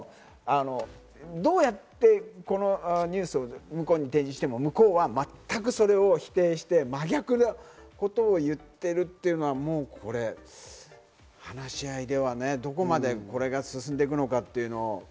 どうやってこのニュースを向こうに提示しても向こうは全くそれを否定して真逆のことを言っているというのは話し合いではどこまでこれが進んでいくのかという。